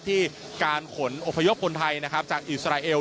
ที่การขนอพยพคนไทยนะครับจากอิสราเอล